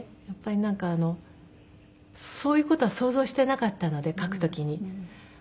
やっぱりなんかそういう事は想像してなかったので書く時に。